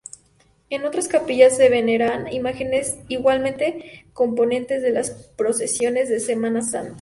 En otras capillas se veneran imágenes igualmente componentes de las procesiones de Semana Santa.